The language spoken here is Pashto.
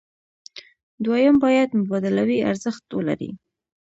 دویم باید مبادلوي ارزښت ولري.